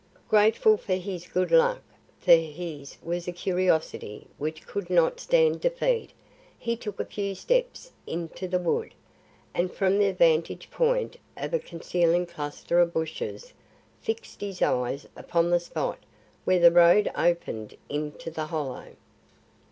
Grateful for his good luck for his was a curiosity which could not stand defeat he took a few steps into the wood, and from the vantage point of a concealing cluster of bushes, fixed his eyes upon the spot where the road opened into the hollow.